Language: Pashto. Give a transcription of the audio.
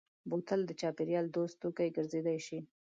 بوتل د چاپېریال دوست توکی ګرځېدای شي.